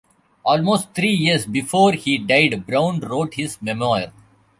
Almost three years before he died, Brown wrote his memoir.